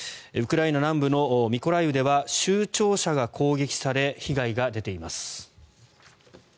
ウクライナ南部のミコライウでは州庁舎が攻撃され被害が出ています。